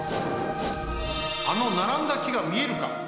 あのならんだきがみえるか？